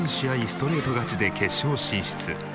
ストレート勝ちで決勝進出。